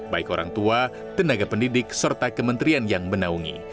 baik orang tua tenaga pendidik serta kementerian yang menaungi